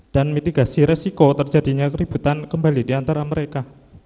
dan mitigasi resiko terjadinya keributan kembali diantara mereka